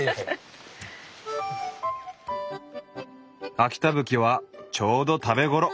秋田ぶきはちょうど食べ頃。